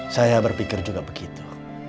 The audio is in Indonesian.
saya berpikir juga begitu